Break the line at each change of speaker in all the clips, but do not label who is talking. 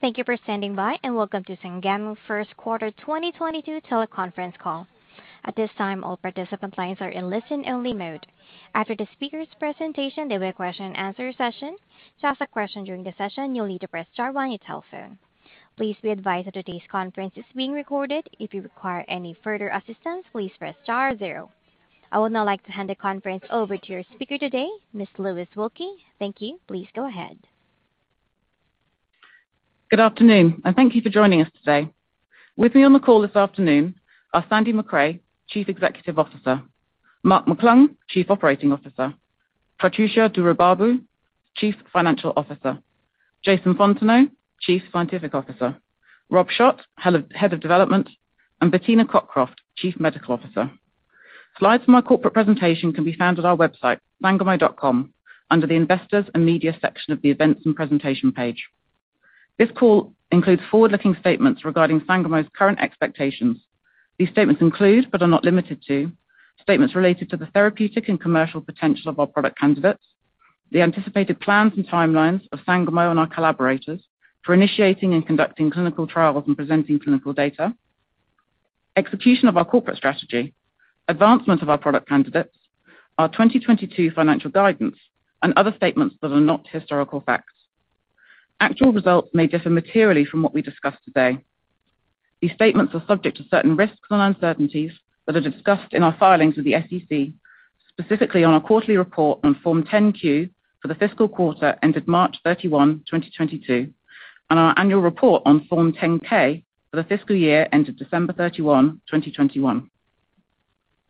Thank you for standing by, and welcome to Sangamo First Quarter 2022 Teleconference Call. At this time, all participant lines are in listen-only mode. After the speakers' presentation, there'll be a question-and-answer session. To ask a question during the session, you'll need to press star one on your telephone. Please be advised that today's conference is being recorded. If you require any further assistance, please press star zero. I would now like to hand the conference over to your speaker today, Ms. Louise Wilkie. Thank you. Please go ahead.
Good afternoon, and thank you for joining us today. With me on the call this afternoon are Sandy Macrae, Chief Executive Officer, Mark McClung, Chief Operating Officer, Prathyusha Duraibabu, Chief Financial Officer, Jason Fontenot, Chief Scientific Officer, Rob Schott, Head of Development, and Bettina Cockroft, Chief Medical Officer. Slides for my corporate presentation can be found at our website, sangamo.com, under the Investors and Media section of the Events and Presentation page. This call includes forward-looking statements regarding Sangamo's current expectations. These statements include, but are not limited to, statements related to the therapeutic and commercial potential of our product candidates, the anticipated plans and timelines of Sangamo and our collaborators for initiating and conducting clinical trials and presenting clinical data, execution of our corporate strategy, advancement of our product candidates, our 2022 financial guidance, and other statements that are not historical facts. Actual results may differ materially from what we discuss today. These statements are subject to certain risks and uncertainties that are discussed in our filings with the SEC, specifically our quarterly report on Form 10-Q for the fiscal quarter ended March 31, 2022, and our annual report on Form 10-K for the fiscal year ended December 31, 2021.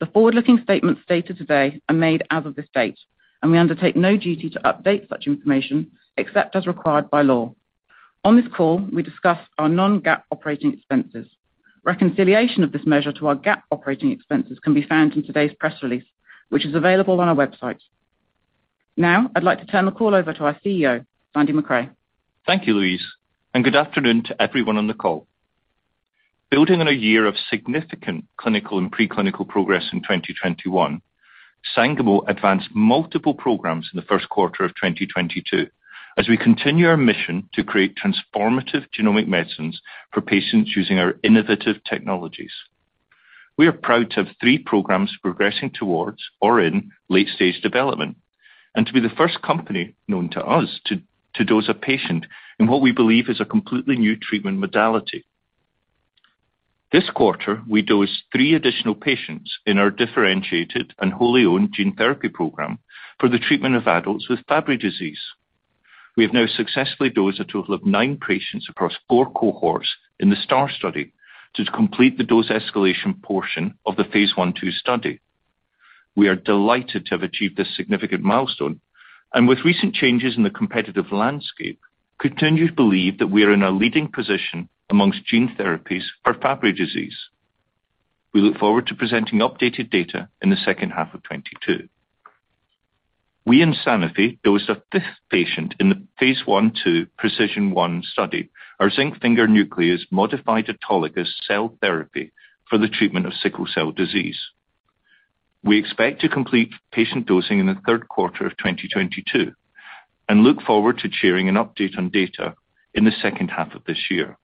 The forward-looking statements stated today are made as of this date, and we undertake no duty to update such information except as required by law. On this call, we discuss our non-GAAP operating expenses. Reconciliation of this measure to our GAAP operating expenses can be found in today's press release, which is available on our website. Now, I'd like to turn the call over to our CEO, Sandy Macrae.
Thank you, Louise, and good afternoon to everyone on the call. Building on a year of significant clinical and pre-clinical progress in 2021, Sangamo advanced multiple programs in the first quarter of 2022 as we continue our mission to create transformative genomic medicines for patients using our innovative technologies. We are proud to have three programs progressing towards or in late-stage development, and to be the first company known to us to dose a patient in what we believe is a completely new treatment modality. This quarter, we dosed three additional patients in our differentiated and wholly owned gene therapy program for the treatment of adults with Fabry disease. We have now successfully dosed a total of nine patients across four cohorts in the STAAR study to complete the dose escalation portion of the phase I/II study. We are delighted to have achieved this significant milestone, and with recent changes in the competitive landscape, continue to believe that we are in a leading position amongst gene therapies for Fabry disease. We look forward to presenting updated data in the second half of 2022. We and Sanofi dosed a fifth patient in the phase I/II PRECIZN-1 study, our zinc finger nuclease modified autologous cell therapy for the treatment of sickle cell disease. We expect to complete patient dosing in the third quarter of 2022 and look forward to sharing an update on data in the second half of this year.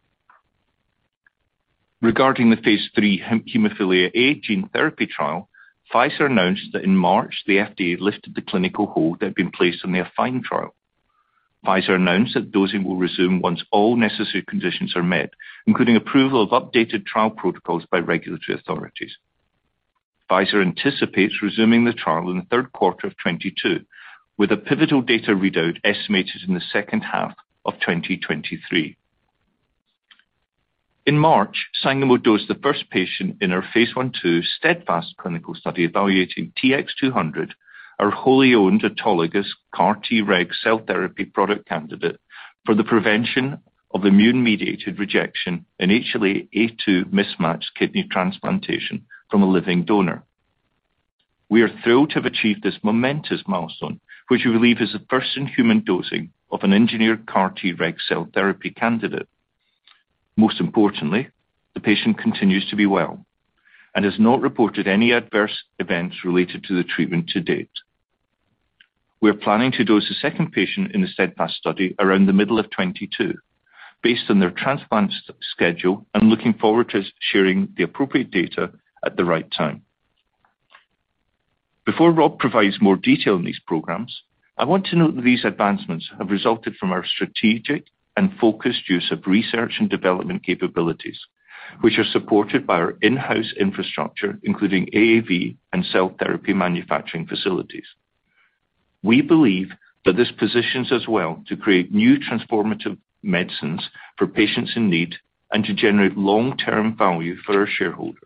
Regarding the phase III hemophilia A gene therapy trial, Pfizer announced that in March, the FDA lifted the clinical hold that had been placed on their AFFINE trial. Pfizer announced that dosing will resume once all necessary conditions are met, including approval of updated trial protocols by regulatory authorities. Pfizer anticipates resuming the trial in the third quarter of 2022, with a pivotal data readout estimated in the second half of 2023. In March, Sangamo dosed the first patient in our phase I/II STEADFAST clinical study evaluating TX200, our wholly owned autologous CAR-Treg cell therapy product candidate for the prevention of immune-mediated rejection in HLA-A2 mismatched kidney transplantation from a living donor. We are thrilled to have achieved this momentous milestone, which we believe is the first in human dosing of an engineered CAR-Treg cell therapy candidate. Most importantly, the patient continues to be well and has not reported any adverse events related to the treatment to date. We're planning to dose a second patient in the STEADFAST study around the middle of 2022 based on their transplant schedule and looking forward to sharing the appropriate data at the right time. Before Rob provides more detail on these programs, I want to note that these advancements have resulted from our strategic and focused use of research and development capabilities, which are supported by our in-house infrastructure, including AAV and cell therapy manufacturing facilities. We believe that this positions us well to create new transformative medicines for patients in need and to generate long-term value for our shareholders.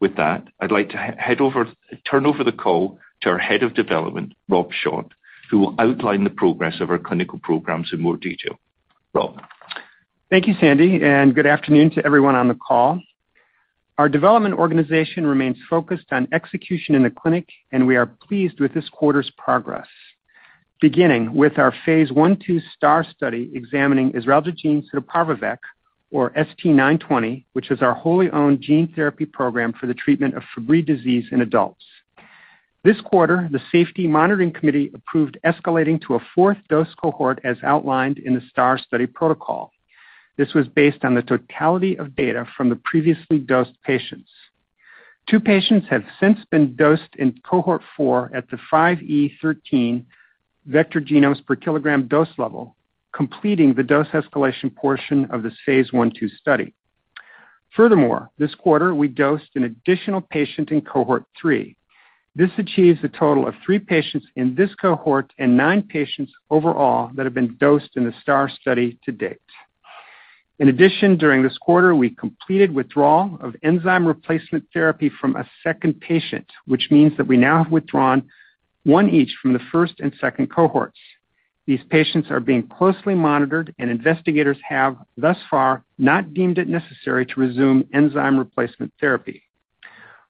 With that, I'd like to turn over the call to our Head of Development, Rob Schott, who will outline the progress of our clinical programs in more detail. Rob.
Thank you, Sandy, and good afternoon to everyone on the call. Our development organization remains focused on execution in the clinic, and we are pleased with this quarter's progress. Beginning with our phase I/II STAAR study examining isaralgagene civaparvovec or ST-920 which is our wholly owned gene therapy program for the treatment of Fabry disease in adults. This quarter, the safety monitoring committee approved escalating to a fourth dose cohort as outlined in the STAAR study protocol. This was based on the totality of data from the previously dosed patients. Two patients have since been dosed in cohort four at the 5 × 10^13 vector genomes per kilogram dose level, completing the dose escalation portion of this phase I/II study. Furthermore, this quarter, we dosed an additional patient in cohort three. This achieves a total of three patients in this cohort and nine patients overall that have been dosed in the STAAR study to date. In addition, during this quarter, we completed withdrawal of enzyme replacement therapy from a second patient, which means that we now have withdrawn one each from the first and second cohorts. These patients are being closely monitored, and investigators have thus far not deemed it necessary to resume enzyme replacement therapy.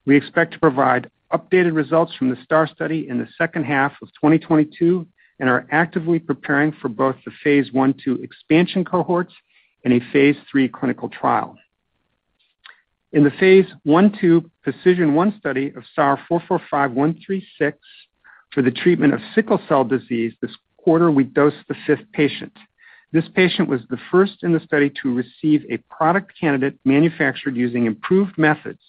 We expect to provide updated results from the STAAR study in the second half of 2022 and are actively preparing for both the phase I/II expansion cohorts and a phase III clinical trial. In the phase I/II PRECIZN-1 study of SAR 445136 for the treatment of sickle cell disease, this quarter we dosed the fifth patient. This patient was the first in the study to receive a product candidate manufactured using improved methods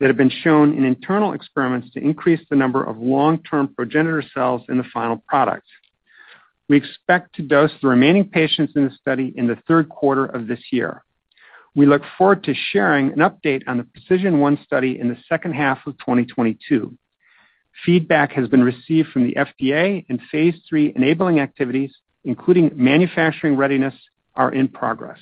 that have been shown in internal experiments to increase the number of long-term progenitor cells in the final product. We expect to dose the remaining patients in the study in the third quarter of this year. We look forward to sharing an update on the PRECIZN-1 study in the second half of 2022. Feedback has been received from the FDA and phase III enabling activities, including manufacturing readiness, are in progress.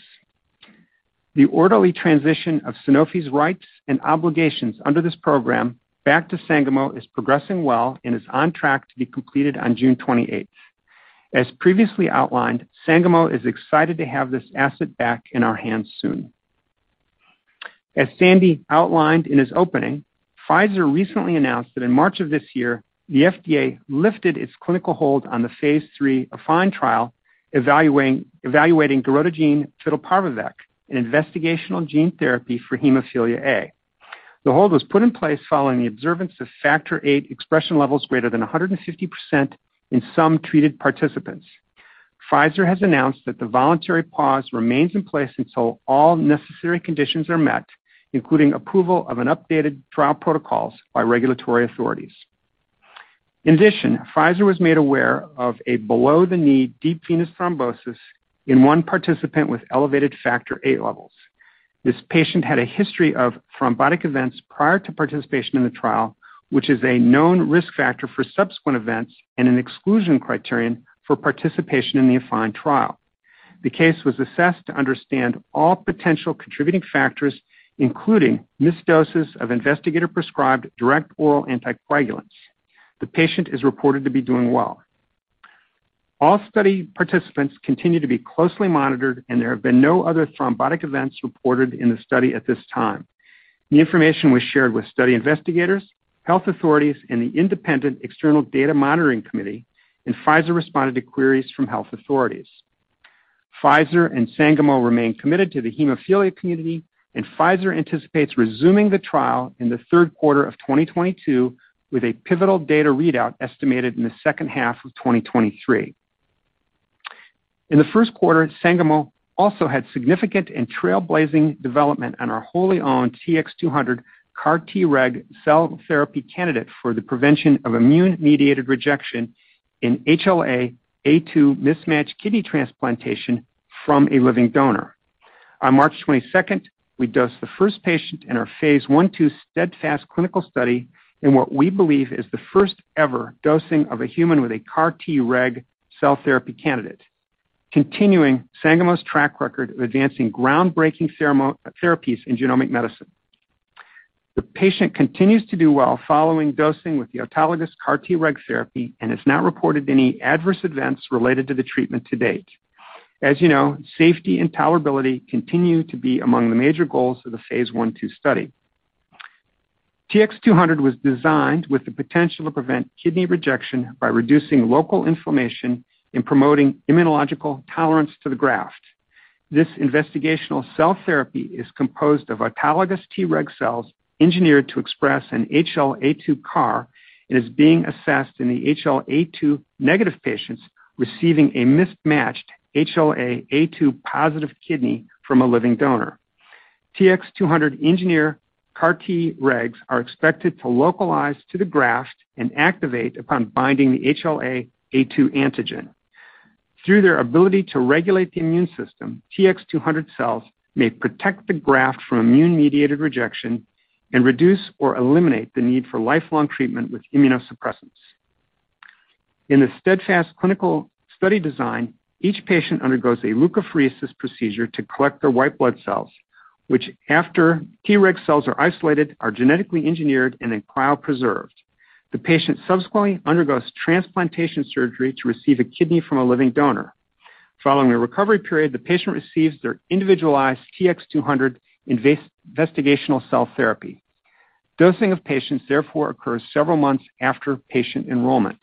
The orderly transition of Sanofi's rights and obligations under this program back to Sangamo is progressing well and is on track to be completed on June 28th. As previously outlined, Sangamo is excited to have this asset back in our hands soon. As Sandy outlined in his opening, Pfizer recently announced that in March of this year, the FDA lifted its clinical hold on the phase III AFFINE trial evaluating giroctocogene fitelparvovec, an investigational gene therapy for hemophilia A. The hold was put in place following the observation of Factor VIII expression levels greater than 150% in some treated participants. Pfizer has announced that the voluntary pause remains in place until all necessary conditions are met, including approval of an updated trial protocols by regulatory authorities. In addition, Pfizer was made aware of a below-the-knee deep venous thrombosis in one participant with elevated Factor VIII levels. This patient had a history of thrombotic events prior to participation in the trial, which is a known risk factor for subsequent events and an exclusion criterion for participation in the AFFINE trial. The case was assessed to understand all potential contributing factors, including missed doses of investigator-prescribed direct oral anticoagulants. The patient is reported to be doing well. All study participants continue to be closely monitored, and there have been no other thrombotic events reported in the study at this time. The information was shared with study investigators, health authorities, and the independent external data monitoring committee, and Pfizer responded to queries from health authorities. Pfizer and Sangamo remain committed to the hemophilia community, and Pfizer anticipates resuming the trial in the third quarter of 2022, with a pivotal data readout estimated in the second half of 2023. In the first quarter, Sangamo also had significant and trailblazing development on our wholly owned TX200 CAR-Treg cell therapy candidate for the prevention of immune-mediated rejection in HLA-A2 mismatched kidney transplantation from a living donor. On March 22nd, we dosed the first patient in our phase I/II STEADFAST clinical study in what we believe is the first-ever dosing of a human with a CAR-Treg cell therapy candidate, continuing Sangamo's track record of advancing groundbreaking therapies in genomic medicine. The patient continues to do well following dosing with the autologous CAR-Treg therapy and has not reported any adverse events related to the treatment to date. As you know, safety and tolerability continue to be among the major goals of the phase I/II study. TX-200 was designed with the potential to prevent kidney rejection by reducing local inflammation and promoting immunological tolerance to the graft. This investigational cell therapy is composed of autologous Treg cells engineered to express an HLA-A2 CAR and is being assessed in the HLA-A2-negative patients receiving a mismatched HLA-A2-positive kidney from a living donor. TX-200-engineered CAR-Tregs are expected to localize to the graft and activate upon binding the HLA-A2 antigen. Through their ability to regulate the immune system, TX-200 cells may protect the graft from immune-mediated rejection and reduce or eliminate the need for lifelong treatment with immunosuppressants. In the STEADFAST clinical study design, each patient undergoes a leukapheresis procedure to collect their white blood cells, which after Treg cells are isolated, are genetically engineered and then cryopreserved. The patient subsequently undergoes transplantation surgery to receive a kidney from a living donor. Following a recovery period, the patient receives their individualized TX200 investigational cell therapy. Dosing of patients therefore occurs several months after patient enrollment.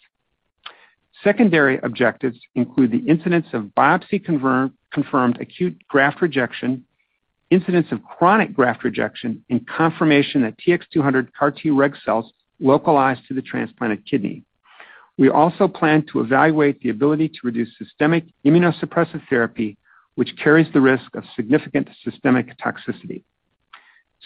Secondary objectives include the incidence of biopsy-confirmed acute graft rejection, incidence of chronic graft rejection, and confirmation that TX200 CAR-Treg cells localize to the transplanted kidney. We also plan to evaluate the ability to reduce systemic immunosuppressive therapy, which carries the risk of significant systemic toxicity.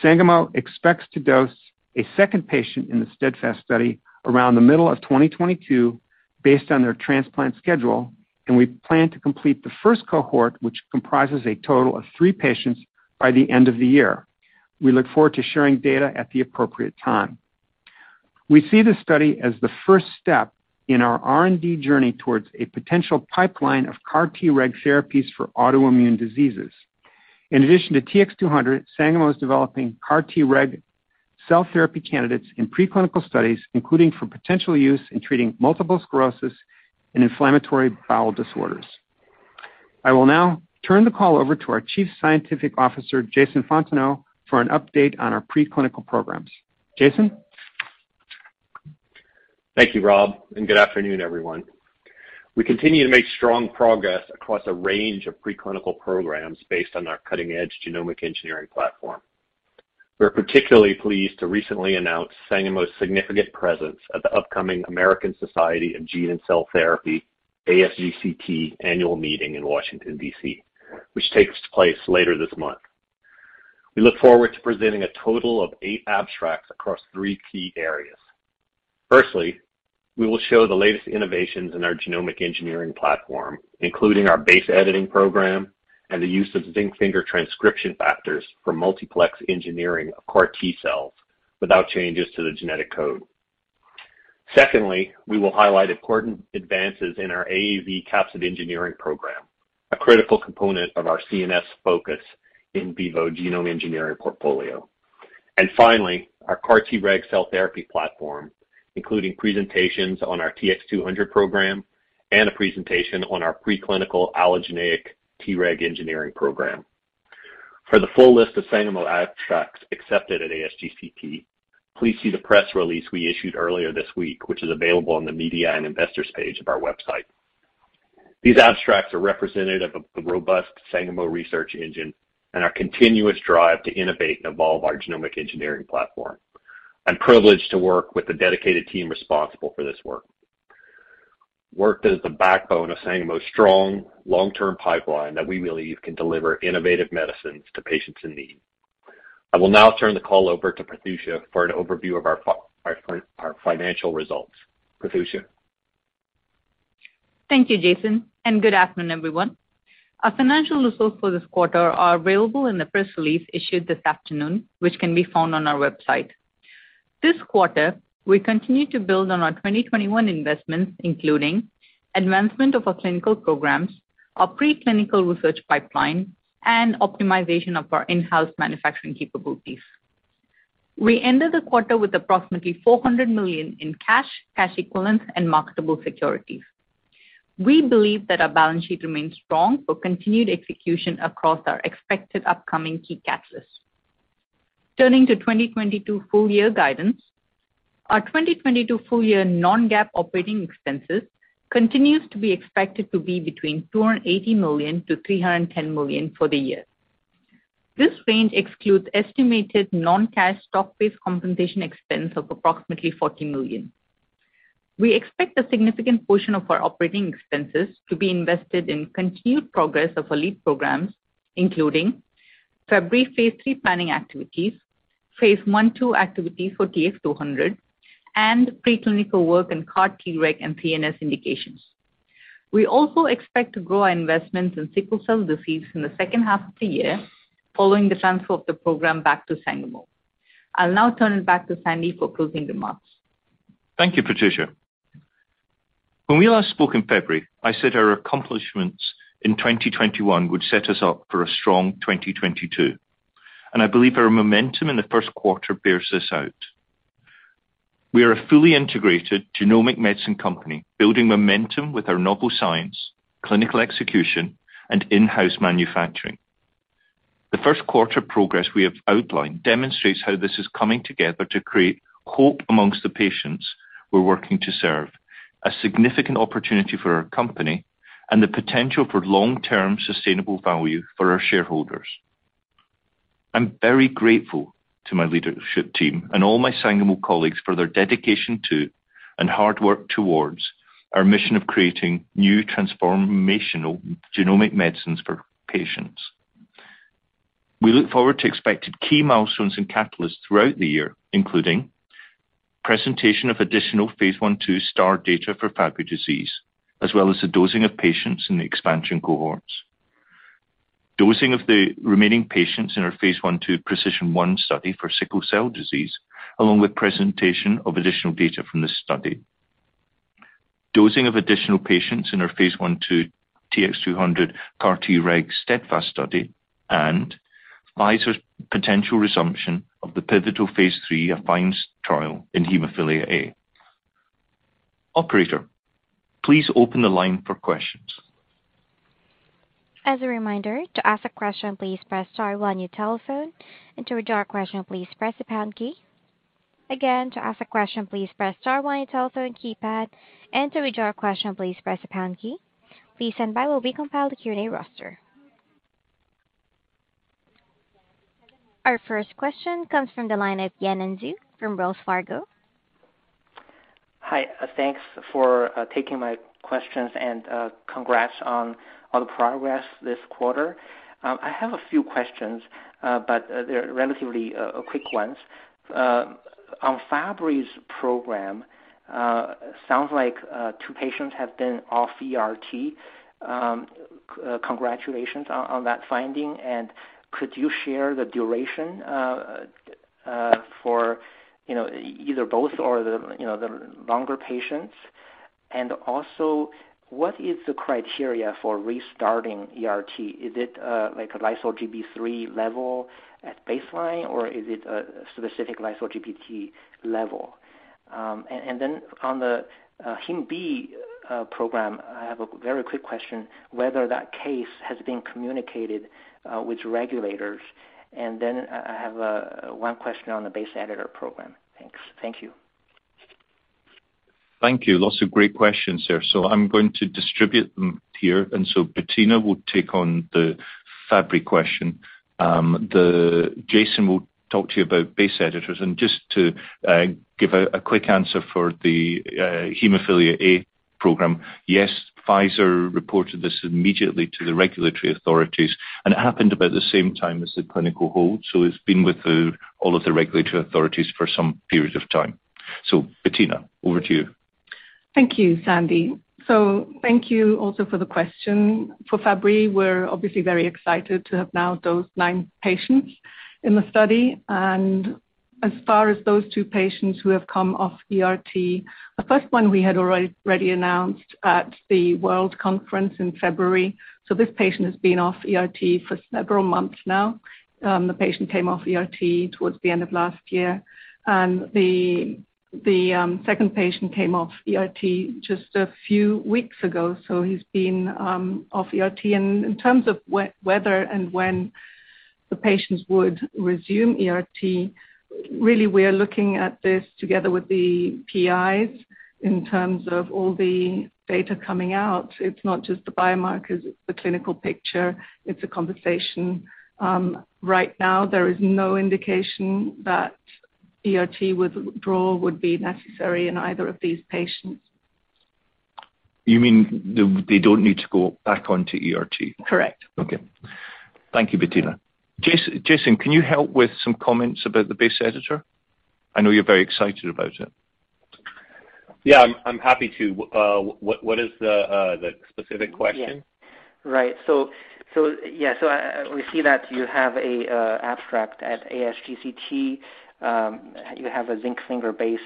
Sangamo expects to dose a second patient in the STEADFAST study around the middle of 2022 based on their transplant schedule, and we plan to complete the first cohort, which comprises a total of three patients, by the end of the year. We look forward to sharing data at the appropriate time. We see this study as the first step in our R&D journey towards a potential pipeline of CAR-Treg therapies for autoimmune diseases. In addition to TX200, Sangamo is developing CAR-Treg cell therapy candidates in preclinical studies, including for potential use in treating multiple sclerosis and inflammatory bowel disorders. I will now turn the call over to our Chief Scientific Officer, Jason Fontenot, for an update on our preclinical programs. Jason?
Thank you, Rob, and good afternoon, everyone. We continue to make strong progress across a range of preclinical programs based on our cutting-edge genomic engineering platform. We're particularly pleased to recently announce Sangamo's significant presence at the upcoming American Society of Gene & Cell Therapy, ASGCT annual meeting in Washington, D.C., which takes place later this month. We look forward to presenting a total of eight abstracts across three key areas. Firstly, we will show the latest innovations in our genomic engineering platform, including our base editing program and the use of zinc finger transcription factors for multiplex engineering of CAR T cells without changes to the genetic code. Secondly, we will highlight important advances in our AAV capsid engineering program, a critical component of our CNS focus in vivo genome engineering portfolio. Finally, our CAR-Treg cell therapy platform, including presentations on our TX200 program and a presentation on our preclinical allogeneic Treg engineering program. For the full list of Sangamo abstracts accepted at ASGCT, please see the press release we issued earlier this week, which is available on the Media and Investors page of our website. These abstracts are representative of the robust Sangamo research engine and our continuous drive to innovate and evolve our genomic engineering platform. I'm privileged to work with the dedicated team responsible for this work. Work that is the backbone of Sangamo's strong long-term pipeline that we believe can deliver innovative medicines to patients in need. I will now turn the call over to Prathyusha for an overview of our financial results. Prathyusha?
Thank you, Jason, and good afternoon, everyone. Our financial results for this quarter are available in the press release issued this afternoon, which can be found on our website. This quarter, we continue to build on our 2021 investments, including advancement of our clinical programs, our preclinical research pipeline, and optimization of our in-house manufacturing capabilities. We ended the quarter with approximately $400 million in cash equivalents, and marketable securities. We believe that our balance sheet remains strong for continued execution across our expected upcoming key catalysts. Turning to 2022 full-year guidance. Our 2022 full-year non-GAAP operating expenses continues to be expected to be between $280 million-$310 million for the year. This range excludes estimated non-cash stock-based compensation expense of approximately $40 million. We expect a significant portion of our operating expenses to be invested in continued progress of our lead programs, including Fabry phase III planning activities, phase I/II activities for TX200, and preclinical work in CAR-Treg and CNS indications. We also expect to grow our investments in sickle cell disease in the second half of the year, following the transfer of the program back to Sangamo. I'll now turn it back to Sandy for closing remarks.
Thank you, Prathyusha. When we last spoke in February, I said our accomplishments in 2021 would set us up for a strong 2022, and I believe our momentum in the first quarter bears this out. We are a fully integrated genomic medicine company, building momentum with our novel science, clinical execution, and in-house manufacturing. The first quarter progress we have outlined demonstrates how this is coming together to create hope amongst the patients we're working to serve, a significant opportunity for our company, and the potential for long-term sustainable value for our shareholders. I'm very grateful to my leadership team and all my Sangamo colleagues for their dedication to and hard work towards our mission of creating new transformational genomic medicines for patients. We look forward to expected key milestones and catalysts throughout the year, including presentation of additional phase I/II STAAR data for Fabry disease, as well as the dosing of patients in the expansion cohorts. Dosing of the remaining patients in our phase I/II PRECIZN-1 study for sickle cell disease, along with presentation of additional data from this study. Dosing of additional patients in our phase I/II TX200 CAR-Treg STEADFAST study, and Pfizer's potential resumption of the pivotal phase III AFFINE trial in hemophilia A. Operator, please open the line for questions.
As a reminder, to ask a question, please press star one on your telephone, and to withdraw a question, please press the pound key. Again, to ask a question, please press star one on your telephone keypad, and to withdraw a question, please press the pound key. Please stand by while we compile the Q&A roster. Our first question comes from the line of Yanan Zhu from Wells Fargo.
Hi. Thanks for taking my questions and congrats on the progress this quarter. I have a few questions, but they're relatively quick ones. On Fabry's program, sounds like two patients have been off ERT. Congratulations on that finding. Could you share the duration for you know, either both or the you know, the longer patients? Also, what is the criteria for restarting ERT? Is it like a Lyso-Gb3 level at baseline, or is it a specific Lyso-Gb3 level? Then on the hemophilia B program, I have a very quick question, whether that case has been communicated with regulators. Then I have one question on the base editor program. Thanks. Thank you.
Thank you. Lots of great questions there. I'm going to distribute them here. Bettina will take on the Fabry question. Jason will talk to you about base editors. Just to give a quick answer for the hemophilia A program, yes, Pfizer reported this immediately to the regulatory authorities, and it happened about the same time as the clinical hold. It's been with all of the regulatory authorities for some period of time. Bettina, over to you.
Thank you, Sandy. Thank you also for the question. For Fabry, we're obviously very excited to have now dosed nine patients in the study. As far as those two patients who have come off ERT, the first one we had already announced at the WORLDSymposium in February. This patient has been off ERT for several months now. The patient came off ERT towards the end of last year. The second patient came off ERT just a few weeks ago, so he's been off ERT. In terms of whether and when the patients would resume ERT, really, we're looking at this together with the PIs in terms of all the data coming out. It's not just the biomarkers, it's the clinical picture. It's a conversation. Right now, there is no indication that ERT withdrawal would be necessary in either of these patients.
You mean they don't need to go back onto ERT?
Correct.
Okay. Thank you, Bettina. Jason, can you help with some comments about the base editor? I know you're very excited about it.
Yeah. I'm happy to. What is the specific question?
We see that you have an abstract at ASGCT. You have a zinc finger-based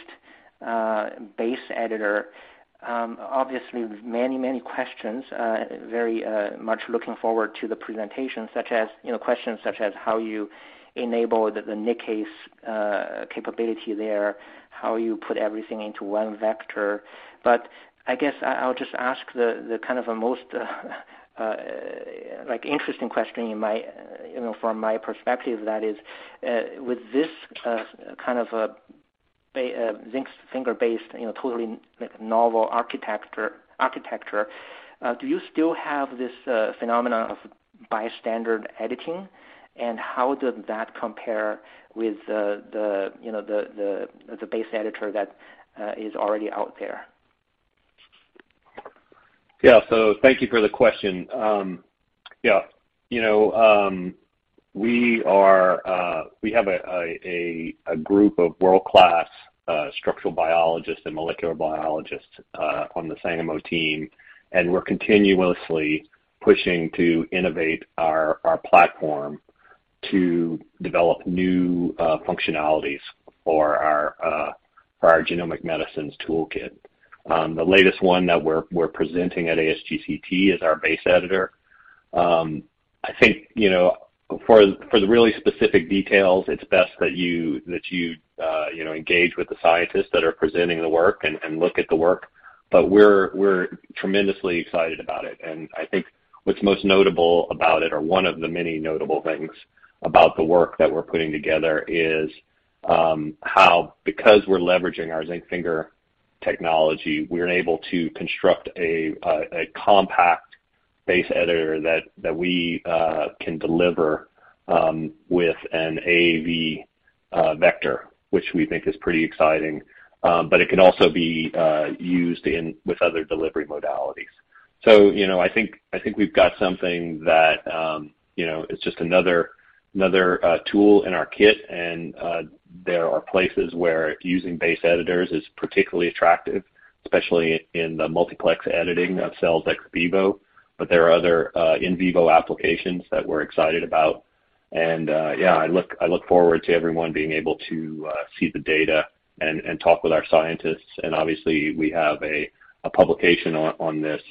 base editor. Obviously many questions, very much looking forward to the presentation such as, you know, questions such as how you enable the nickase capability there, how you put everything into one vector. I guess I'll just ask the kind of a most like interesting question in my, you know, from my perspective, that is, with this kind of a zinc finger-based, you know, totally, like, novel architecture, do you still have this phenomenon of bystander editing, and how does that compare with, you know, the base editor that is already out there?
Yeah. Thank you for the question. You know, we have a group of world-class structural biologists and molecular biologists on the Sangamo team, and we're continuously pushing to innovate our platform to develop new functionalities for our genomic medicines toolkit. The latest one that we're presenting at ASGCT is our base editor. I think, you know, for the really specific details, it's best that you engage with the scientists that are presenting the work and look at the work. We're tremendously excited about it. I think what's most notable about it, or one of the many notable things about the work that we're putting together is how because we're leveraging our zinc finger technology, we're able to construct a compact base editor that we can deliver with an AAV vector, which we think is pretty exciting. But it can also be used in with other delivery modalities. You know, I think we've got something that you know is just another tool in our kit. There are places where using base editors is particularly attractive, especially in the multiplex editing of cells ex vivo, but there are other in vivo applications that we're excited about. I look forward to everyone being able to see the data and talk with our scientists. Obviously we have a publication on this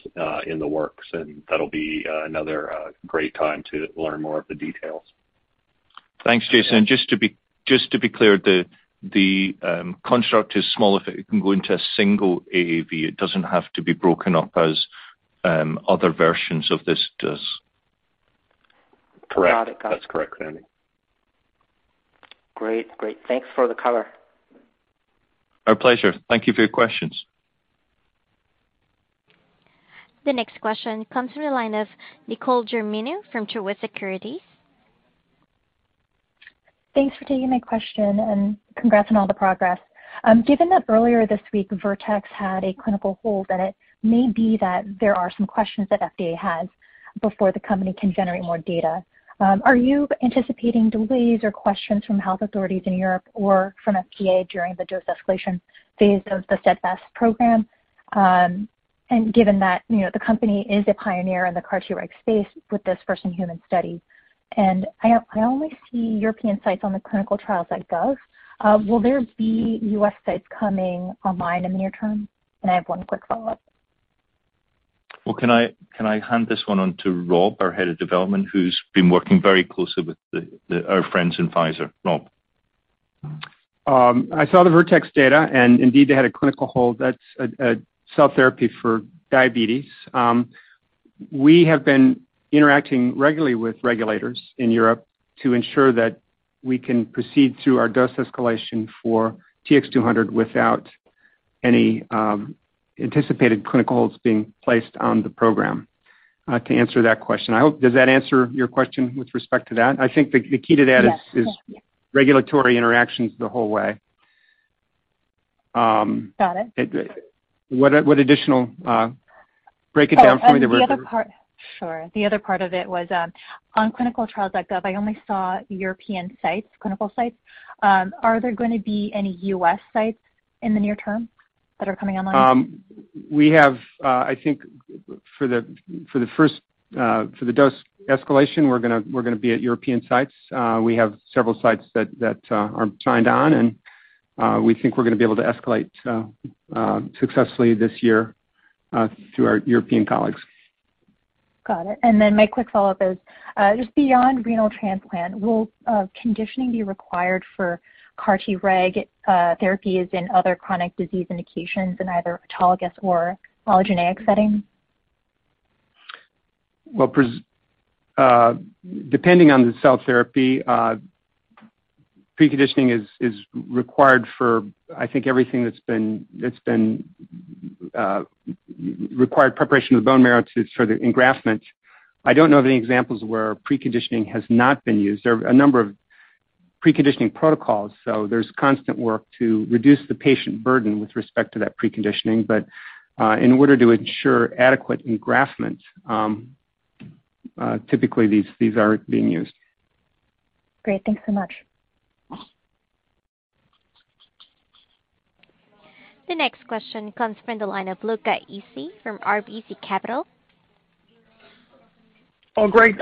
in the works, and that'll be another great time to learn more of the details.
Thanks, Jason. Just to be clear, the construct is small. If it can go into a single AAV, it doesn't have to be broken up as other versions of this does.
Correct. That's correct, Sandy.
Great. Thanks for the color.
Our pleasure. Thank you for your questions.
The next question comes from the line of Nicole Germino from Truist Securities.
Thanks for taking my question and congrats on all the progress. Given that earlier this week, Vertex had a clinical hold, and it may be that there are some questions that FDA has before the company can generate more data, are you anticipating delays or questions from health authorities in Europe or from FDA during the dose escalation phase of the STEADFAST program? Given that, you know, the company is a pioneer in the CAR-Treg space with this first-in-human study, and I only see European sites on ClinicalTrials.gov. Will there be U.S. sites coming online in the near term? I have one quick follow-up.
Well, can I hand this one on to Rob, our Head of Development, who's been working very closely with our friends in Pfizer. Rob.
I saw the Vertex data, and indeed they had a clinical hold. That's a cell therapy for diabetes. We have been interacting regularly with regulators in Europe to ensure that we can proceed through our dose escalation for TX200 without any anticipated clinical holds being placed on the program, to answer that question. I hope. Does that answer your question with respect to that? I think the key to that is regulatory interactions the whole way.
Got it.
What additional. Break it down for me.
Oh, the other part. Sure. The other part of it was, on ClinicalTrials.gov, I only saw European sites, clinical sites. Are there gonna be any U.S. sites in the near term that are coming online?
I think for the first dose escalation, we're gonna be at European sites. We have several sites that are signed on, and we think we're gonna be able to escalate successfully this year through our European colleagues.
Got it. My quick follow-up is just beyond renal transplant, will conditioning be required for CAR-Treg therapies in other chronic disease indications in either autologous or allogeneic setting?
Well, depending on the cell therapy, preconditioning is required for, I think everything that's been required preparation of the bone marrow for the engraftment. I don't know of any examples where preconditioning has not been used. There are a number of preconditioning protocols, so there's constant work to reduce the patient burden with respect to that preconditioning. In order to ensure adequate engraftment, typically these are being used.
Great. Thanks so much.
The next question comes from the line of Luca Issi from RBC Capital Markets.
Oh, great.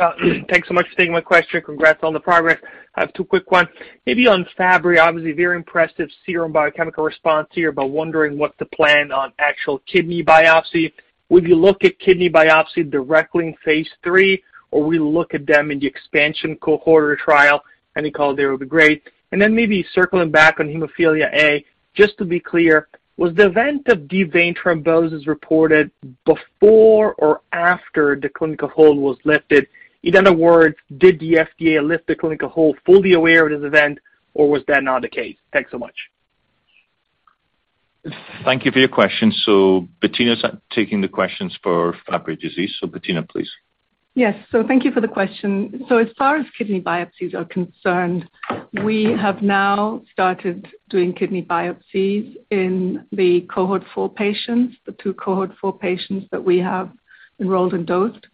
Thanks so much for taking my question. Congrats on the progress. I have two quick ones. Maybe on Fabry, obviously very impressive serum biochemical response here, but wondering what's the plan on actual kidney biopsy. Would you look at kidney biopsy directly in phase III, or we look at them in the expansion cohort trial? Any call there would be great. Maybe circling back on hemophilia A, just to be clear, was the event of deep vein thrombosis reported before or after the clinical hold was lifted? In other words, did the FDA lift the clinical hold fully aware of this event, or was that not the case? Thanks so much.
Thank you for your question. Bettina's taking the questions for Fabry disease. Bettina, please.
Yes. Thank you for the question. As far as kidney biopsies are concerned, we have now started doing kidney biopsies in the cohort four patients, the two cohort four patients that we have enrolled and dosed.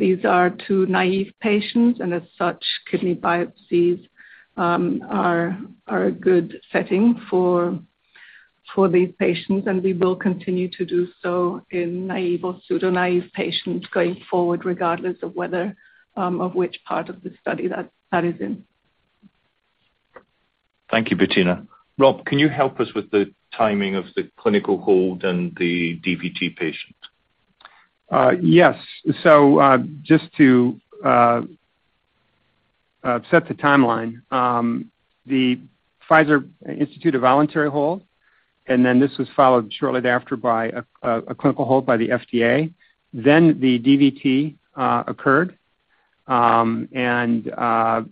These are two naive patients, and as such, kidney biopsies are a good setting for these patients, and we will continue to do so in naive or pseudo-naive patients going forward, regardless of whether of which part of the study that is in.
Thank you, Bettina. Rob, can you help us with the timing of the clinical hold and the DVT patient?
Yes. Just to set the timeline, Pfizer instituted a voluntary hold, and then this was followed shortly after by a clinical hold by the FDA. Then the DVT occurred, and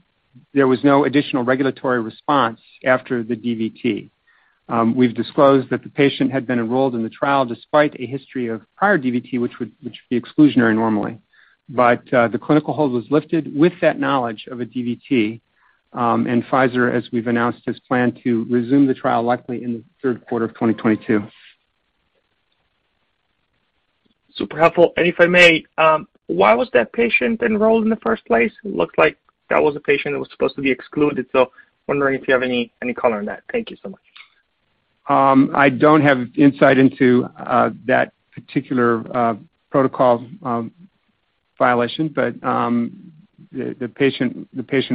there was no additional regulatory response after the DVT. We've disclosed that the patient had been enrolled in the trial despite a history of prior DVT, which would be exclusionary normally. The clinical hold was lifted with that knowledge of a DVT, and Pfizer, as we've announced, has planned to resume the trial likely in the third quarter of 2022.
Super helpful. If I may, why was that patient enrolled in the first place? It looked like that was a patient that was supposed to be excluded. Wondering if you have any color on that. Thank you so much.
I don't have insight into that particular protocol violation, but the patient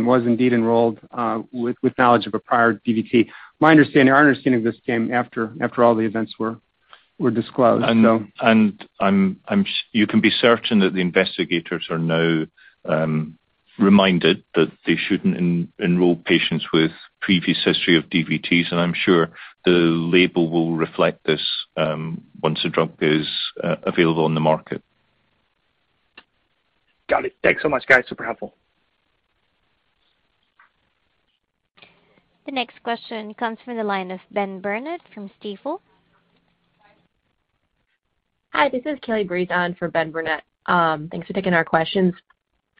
was indeed enrolled with knowledge of a prior DVT. Our understanding of this came after all the events were
Were disclosed.
You can be certain that the investigators are now reminded that they shouldn't enroll patients with previous history of DVTs. I'm sure the label will reflect this once the drug is available on the market.
Got it. Thanks so much, guys. Super helpful.
The next question comes from the line of Benjamin Burnett from Stifel.
Hi, this is Kelly Brison for Benjamin Burnett. Thanks for taking our questions.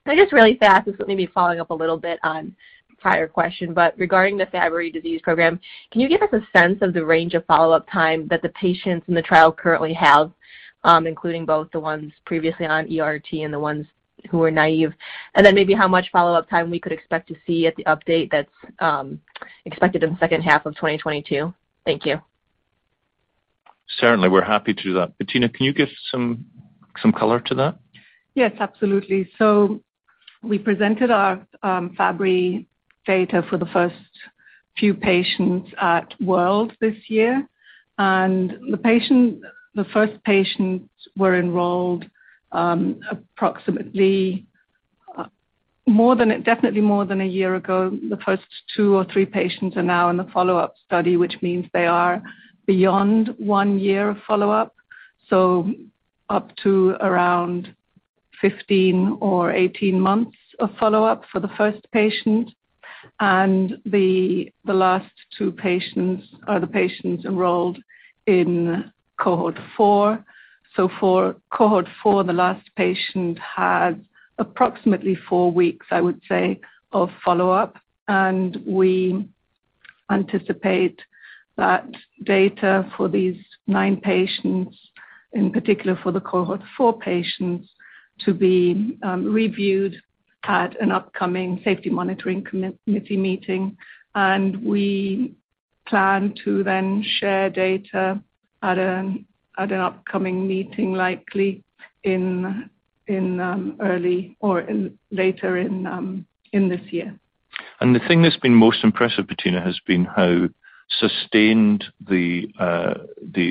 I guess really fast, this will maybe following up a little bit on prior question, but regarding the Fabry disease program, can you give us a sense of the range of follow-up time that the patients in the trial currently have, including both the ones previously on ERT and the ones who are naive? Then maybe how much follow-up time we could expect to see at the update that's expected in the second half of 2022. Thank you.
Certainly. We're happy to do that. Bettina, can you give some color to that?
Yes, absolutely. We presented our Fabry data for the first few patients at WORLDSymposium this year. The first patients were enrolled approximately definitely more than a year ago. The first two or three patients are now in the follow-up study, which means they are beyond one year of follow-up, so up to around 15 or 18 months of follow-up for the first patient. The last two patients are the patients enrolled in cohort four. For cohort four, the last patient had approximately four weeks, I would say, of follow-up. We anticipate that data for these nine patients, in particular for the cohort four patients, to be reviewed at an upcoming safety monitoring committee meeting. We plan to then share data at an upcoming meeting, likely early or later in this year.
The thing that's been most impressive, Bettina, has been how sustained the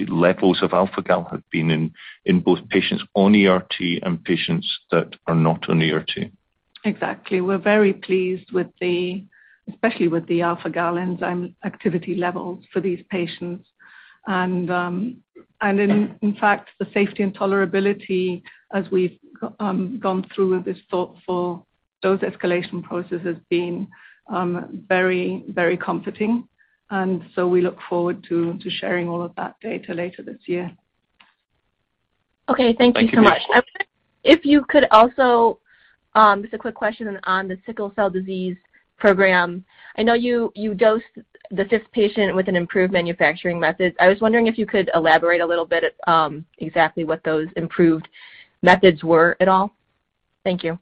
levels of alpha-Gal have been in both patients on ERT and patients that are not on ERT.
Exactly. We're very pleased with the, especially with the alpha-Gal enzyme activity levels for these patients. In fact, the safety and tolerability as we've gone through this thoughtful dose escalation process has been very, very comforting. We look forward to sharing all of that data later this year.
Okay. Thank you so much.
Thank you.
If you could also just a quick question on the sickle cell disease program. I know you dosed the fifth patient with an improved manufacturing method. I was wondering if you could elaborate a little bit at exactly what those improved methods were at all. Thank you.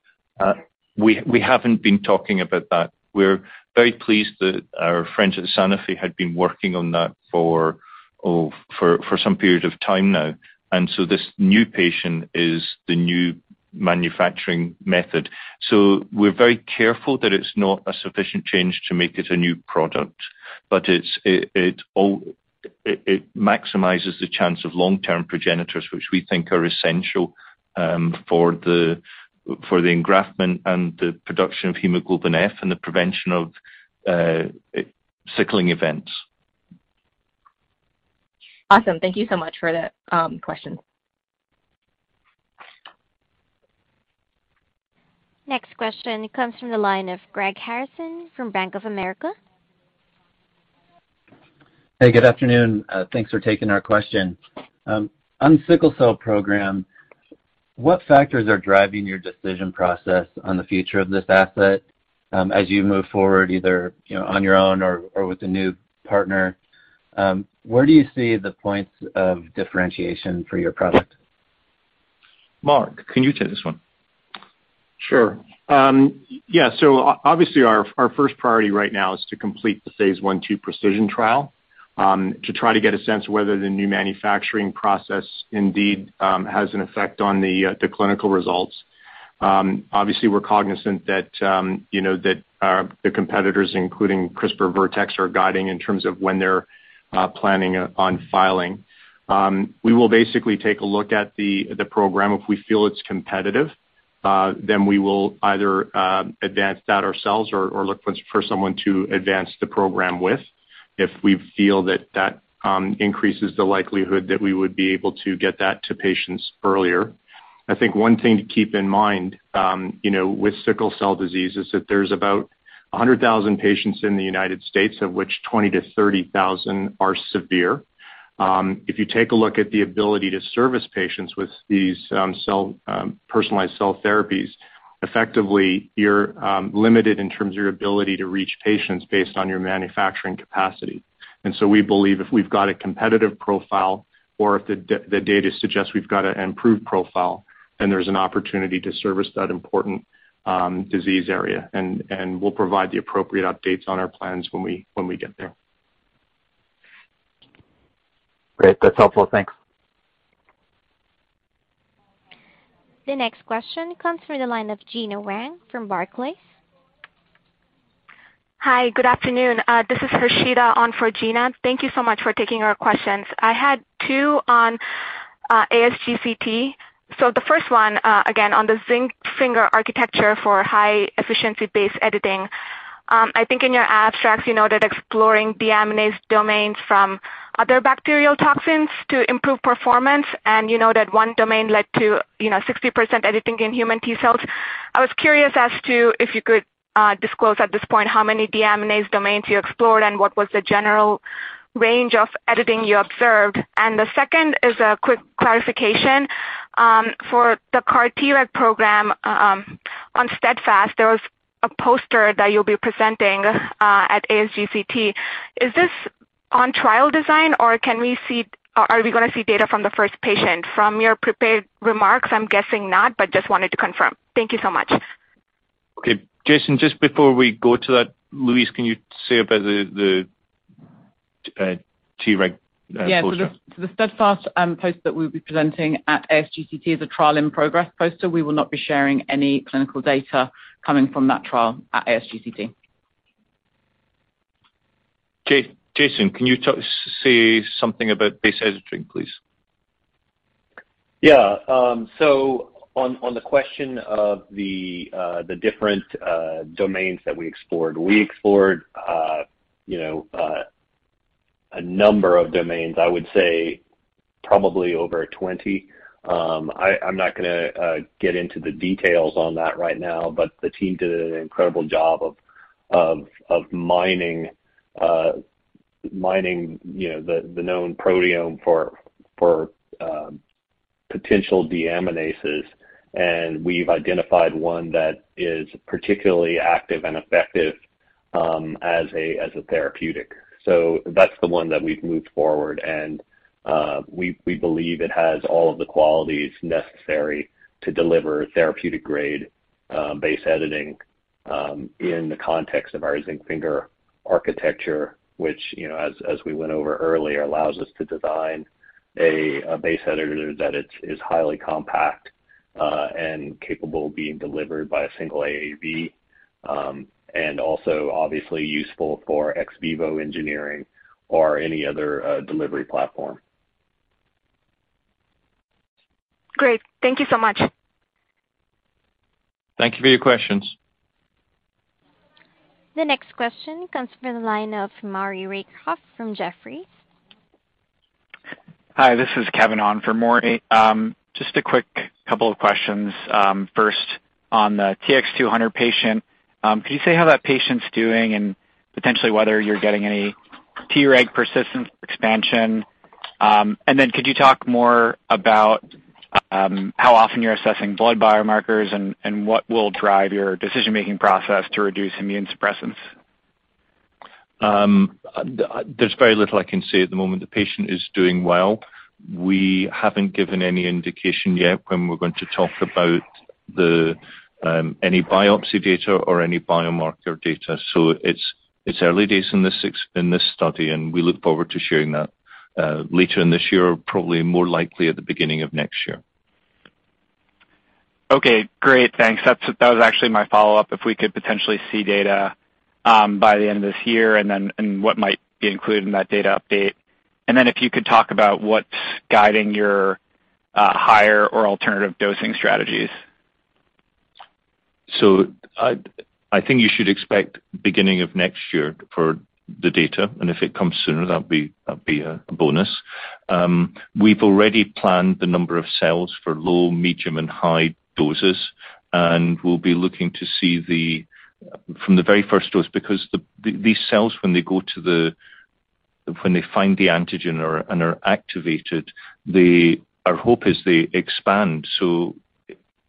We haven't been talking about that. We're very pleased that our friends at Sanofi had been working on that for some period of time now. This new patent is the new manufacturing method. We're very careful that it's not a sufficient change to make it a new product, but it maximizes the chance of long-term progenitors, which we think are essential for the engraftment and the production of hemoglobin F and the prevention of sickling events.
Awesome. Thank you so much for that, question.
Next question comes from the line of Greg Harrison from Bank of America.
Hey, good afternoon. Thanks for taking our question. On sickle cell program, what factors are driving your decision process on the future of this asset, as you move forward, either, you know, on your own or with a new partner? Where do you see the points of differentiation for your product?
Mark, can you take this one?
Sure. Yeah. Obviously, our first priority right now is to complete the phase I/II PRECIZN-1 trial, to try to get a sense of whether the new manufacturing process indeed has an effect on the clinical results. Obviously, we're cognizant that, you know, the competitors, including CRISPR, Vertex, are guiding in terms of when they're planning on filing. We will basically take a look at the program. If we feel it's competitive, then we will either advance that ourselves or look for someone to advance the program with if we feel that increases the likelihood that we would be able to get that to patients earlier. I think one thing to keep in mind, you know, with sickle cell disease is that there's about 100,000 patients in the United States, of which 20,000-30,000 are severe. If you take a look at the ability to service patients with these, cell, personalized cell therapies, effectively, you're limited in terms of your ability to reach patients based on your manufacturing capacity. We believe if we've got a competitive profile or if the data suggests we've got an improved profile, then there's an opportunity to service that important, disease area. We'll provide the appropriate updates on our plans when we get there.
Great. That's helpful. Thanks.
The next question comes from the line of Gena Wang from Barclays.
Hi, good afternoon. This is Rashida on for Gena Wang. Thank you so much for taking our questions. I had two on ASGCT. The first one, again, on the zinc finger architecture for high efficiency-based editing. I think in your abstracts, you noted exploring deaminase domains from other bacterial toxins to improve performance, and you know that one domain led to, you know, 60% editing in human T cells. I was curious as to if you could disclose at this point how many deaminase domains you explored and what was the general range of editing you observed. The second is a quick clarification for the CAR-Treg program on STEADFAST. There was a poster that you'll be presenting at ASGCT. Is this on trial design, or are we gonna see data from the first patient? From your prepared remarks, I'm guessing not, but just wanted to confirm. Thank you so much.
Okay. Jason, just before we go to that, Louise, can you say about the Treg poster?
Yeah. The STEADFAST poster that we'll be presenting at ASGCT is a trial in progress poster. We will not be sharing any clinical data coming from that trial at ASGCT.
Jason, can you say something about base editing, please?
Yeah. On the question of the different domains that we explored. We explored, you know, a number of domains. I would say probably over 20. I'm not gonna get into the details on that right now, but the team did an incredible job of mining, you know, the known proteome for potential deaminases, and we've identified one that is particularly active and effective as a therapeutic. That's the one that we've moved forward, and we believe it has all of the qualities necessary to deliver therapeutic grade base editing in the context of our zinc finger architecture, which, you know, as we went over earlier, allows us to design a base editor that is highly compact and capable of being delivered by a single AAV, and also obviously useful for ex vivo engineering or any other delivery platform.
Great. Thank you so much.
Thank you for your questions.
The next question comes from the line of Maury Raycroft from Jefferies.
Hi, this is Kevin on for Maury. Just a quick couple of questions. First on the TX200 patient, can you say how that patient's doing and potentially whether you're getting any Treg persistence expansion? And then could you talk more about how often you're assessing blood biomarkers and what will drive your decision-making process to reduce immune suppressants?
There's very little I can say at the moment. The patient is doing well. We haven't given any indication yet when we're going to talk about any biopsy data or any biomarker data. It's early days in this study, and we look forward to sharing that later in this year, probably more likely at the beginning of next year.
Okay, great. Thanks. That was actually my follow-up, if we could potentially see data by the end of this year and what might be included in that data update. Then if you could talk about what's guiding your higher or alternative dosing strategies.
I think you should expect beginning of next year for the data. If it comes sooner, that'd be a bonus. We've already planned the number of cells for low, medium, and high doses, and we'll be looking to see from the very first dose because these cells, when they find the antigen or and are activated, our hope is they expand, so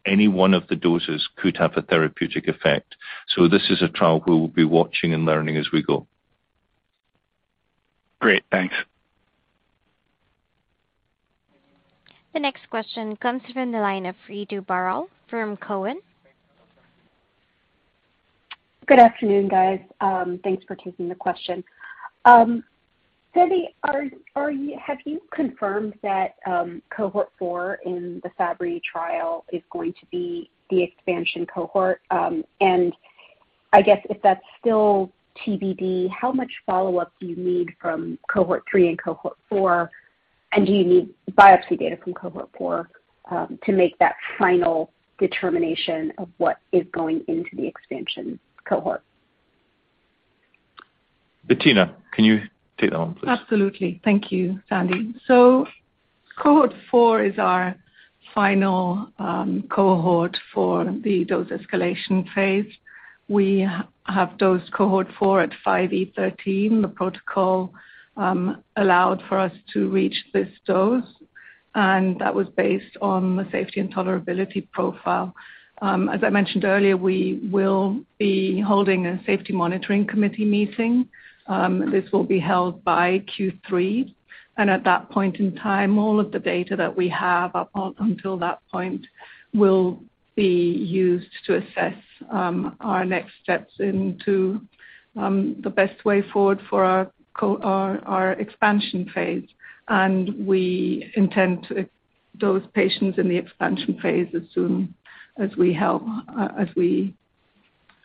any one of the doses could have a therapeutic effect. This is a trial we will be watching and learning as we go.
Great. Thanks.
The next question comes from the line of Ritu Baral from Cowen.
Good afternoon, guys. Thanks for taking the question. Sandy, have you confirmed that cohort four in the Fabry trial is going to be the expansion cohort? I guess if that's still TBD, how much follow-up do you need from cohort three and cohort four? Do you need biopsy data from cohort four to make that final determination of what is going into the expansion cohort?
Bettina, can you take that one, please?
Absolutely. Thank you, Sandy. Cohort four is our final cohort for the dose escalation phase. We have dosed cohort four at 5e13. The protocol allowed for us to reach this dose, and that was based on the safety and tolerability profile. As I mentioned earlier, we will be holding a safety monitoring committee meeting. This will be held by Q3. At that point in time, all of the data that we have up until that point will be used to assess our next steps into the best way forward for our expansion phase. We intend to dose patients in the expansion phase as soon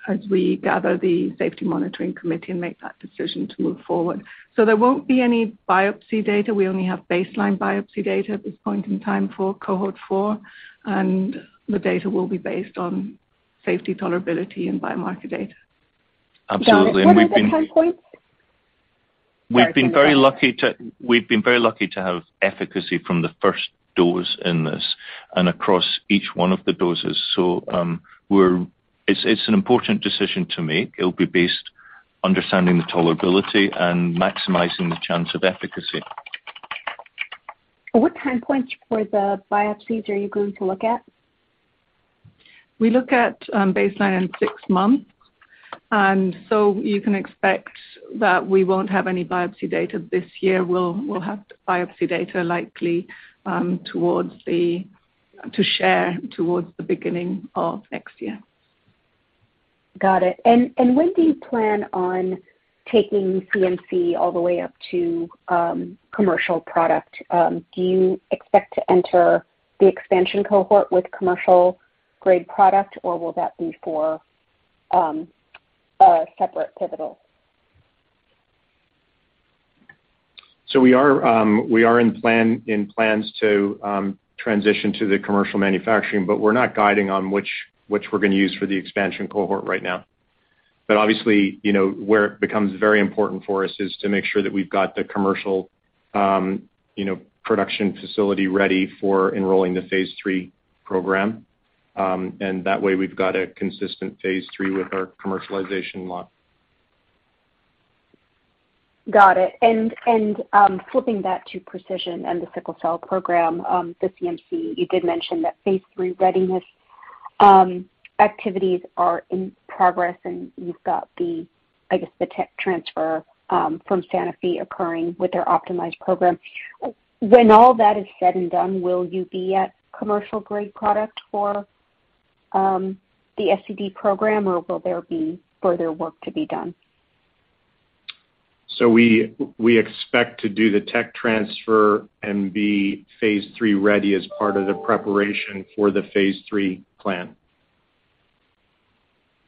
as we gather the safety monitoring committee and make that decision to move forward. There won't be any biopsy data. We only have baseline biopsy data at this point in time for cohort four, and the data will be based on safety, tolerability, and biomarker data.
Absolutely. We've been-
Got it. What are the time points? Sorry.
We've been very lucky to have efficacy from the first dose in this and across each one of the doses. It's an important decision to make. It'll be based understanding the tolerability and maximizing the chance of efficacy.
What time points for the biopsies are you going to look at?
We look at baseline in six months, and so you can expect that we won't have any biopsy data this year. We'll have biopsy data likely to share towards the beginning of next year.
Got it. When do you plan on taking CMC all the way up to commercial product? Do you expect to enter the expansion cohort with commercial grade product, or will that be for a separate pivotal?
We are in plans to transition to the commercial manufacturing, but we're not guiding on which we're gonna use for the expansion cohort right now. Obviously, you know, where it becomes very important for us is to make sure that we've got the commercial, you know, production facility ready for enrolling the phase III program. That way we've got a consistent phase III with our commercialization launch.
Got it. Flipping back to Precision and the sickle cell program, the CMC, you did mention that phase III readiness activities are in progress and you've got the, I guess, the tech transfer from Sanofi occurring with their optimized program. When all that is said and done, will you be at commercial grade product for the SCD program, or will there be further work to be done?
We expect to do the tech transfer and be phase III-ready as part of the preparation for the phase III plan.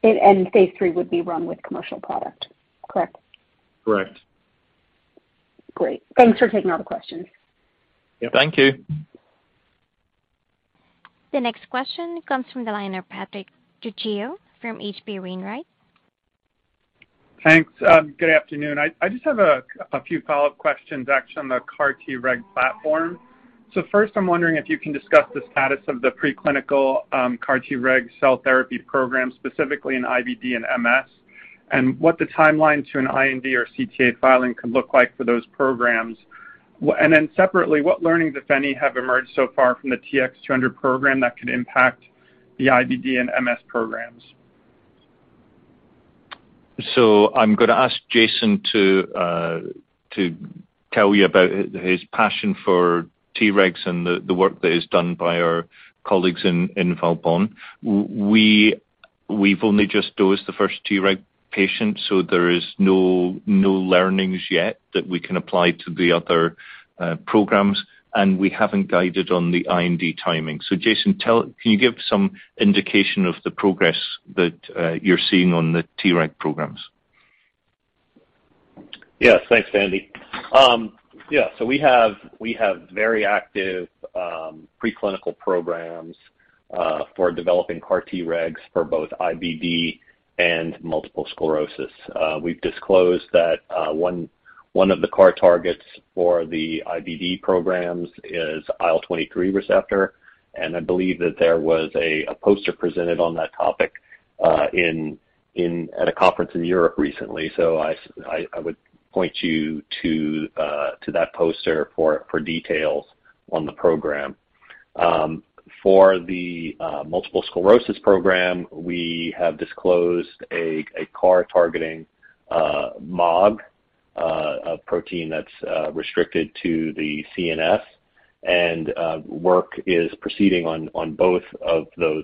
And phase III would be run with commercial product, correct?
Correct.
Great. Thanks for taking all the questions.
Yep.
Thank you.
The next question comes from the line of Patrick Trucchio from HC Wainwright.
Thanks. Good afternoon. I just have a few follow-up questions actually on the CAR-Treg platform. First, I'm wondering if you can discuss the status of the preclinical CA-Treg cell therapy program, specifically in IBD and MS, and what the timeline to an IND or CTA filing could look like for those programs. Separately, what learnings, if any, have emerged so far from the TX200 program that could impact the IBD and MS programs?
I'm gonna ask Jason to tell you about his passion for Tregs and the work that is done by our colleagues in Valbonne. We've only just dosed the first Treg patient, so there is no learnings yet that we can apply to the other programs, and we haven't guided on the IND timing. Jason, can you give some indication of the progress that you're seeing on the Treg programs?
Yes. Thanks, Andy. Yeah, we have very active preclinical programs for developing CAR-Treg for both IBD and multiple sclerosis. We've disclosed that one of the CAR targets for the IBD programs is IL-23 receptor, and I believe that there was a poster presented on that topic at a conference in Europe recently. I would point you to that poster for details on the program. For the multiple sclerosis program, we have disclosed a CAR targeting MOG, a protein that's restricted to the CNS, and preclinical work is proceeding on both of those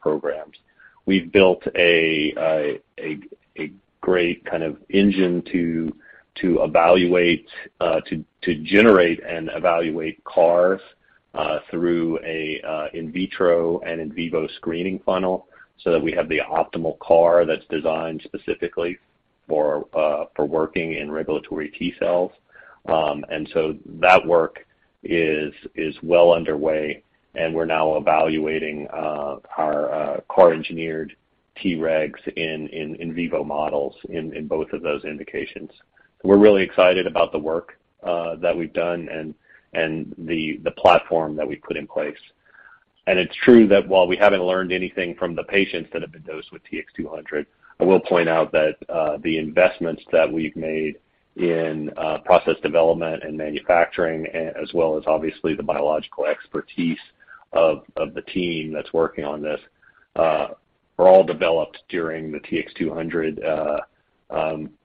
programs. We've built a great kind of engine to generate and evaluate CARs through an in vitro and in vivo screening funnel so that we have the optimal CAR that's designed specifically for working in Regulatory T cells. That work is well underway, and we're now evaluating our CAR-engineered Tregs in vivo models in both of those indications. We're really excited about the work that we've done and the platform that we've put in place. It's true that while we haven't learned anything from the patients that have been dosed with TX200, I will point out that the investments that we've made in process development and manufacturing as well as obviously the biological expertise of the team that's working on this were all developed during the TX200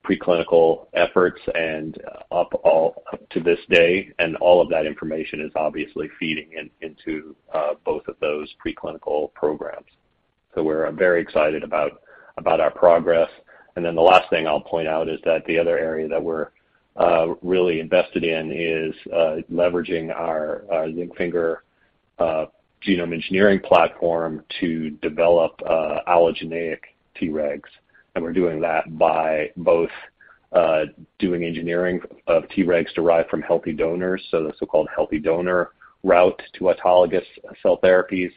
preclinical efforts and up to this day. All of that information is obviously feeding into both of those preclinical programs. We're very excited about our progress. The last thing I'll point out is that the other area that we're really invested in is leveraging our zinc finger genome engineering platform to develop allogeneic Tregs. We're doing that by both doing engineering of Tregs derived from healthy donors, so the so-called healthy donor route to autologous cell therapies,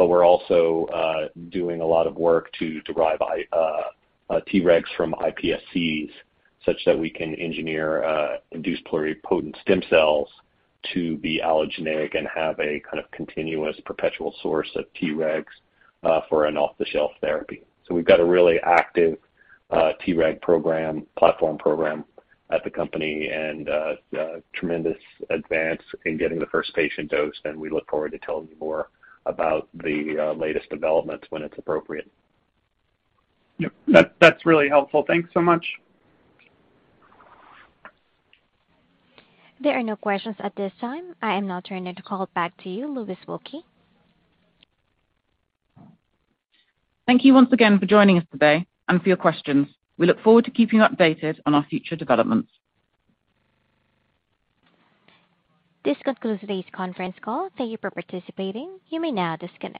but we're also doing a lot of work to derive Tregs from iPSCs such that we can engineer induced pluripotent stem cells to be allogeneic and have a kind of continuous perpetual source of Tregs for an off-the-shelf therapy. We've got a really active Treg program, platform program at the company and a tremendous advance in getting the first patient dosed, and we look forward to telling you more about the latest developments when it's appropriate.
Yep. That's really helpful. Thanks so much.
There are no questions at this time. I am now turning the call back to you, Louise Wilkie.
Thank you once again for joining us today and for your questions. We look forward to keeping you updated on our future developments.
This concludes today's conference call. Thank you for participating. You may now disconnect.